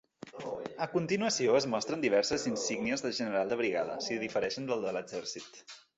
A continuació es mostren diverses insígnies de general de brigada, si difereixen del de l'exèrcit.